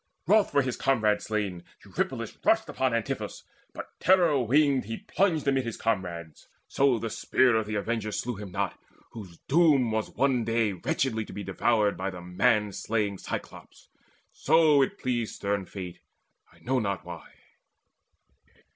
Wroth for his comrade slain, Eurypylus Rushed upon Antiphus, but terror winged He plunged amid his comrades; so the spear Of the avenger slew him not, whose doom Was one day wretchedly to be devoured By the manslaying Cyclops: so it pleased Stern Fate, I know not why.